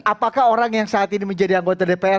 apakah orang yang saat ini menjadi anggota dpr